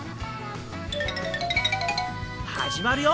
始まるよ。